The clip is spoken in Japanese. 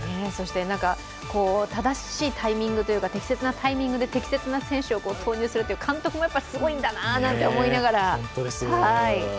正しいタイミングというか適切なタイミングで適切な選手を投入するという、監督ってやっぱりすごいんだなと思いながら。